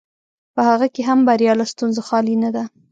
په هغه کې هم بریا له ستونزو خالي نه ده.